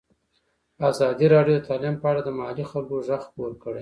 ازادي راډیو د تعلیم په اړه د محلي خلکو غږ خپور کړی.